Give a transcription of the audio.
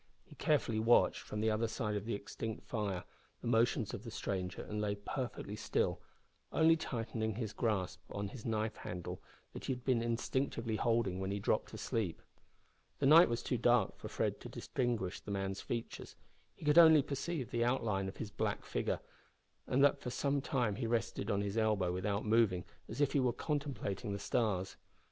He carefully watched, from the other side of the extinct fire, the motions of the stranger, and lay perfectly still only tightening his grasp on the knife handle that he had been instinctively holding when he dropped asleep. The night was too dark for Fred to distinguish the man's features. He could only perceive the outline of his black figure, and that for some time he rested on his elbow without moving, as if he were contemplating the stars.